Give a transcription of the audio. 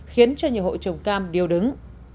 khiến cho nhiều hộ trồng cam điêu đứng